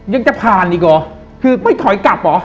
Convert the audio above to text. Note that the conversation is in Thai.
ยังจะผ่านอีกเหรอคือไม่ถอยกลับเหรอ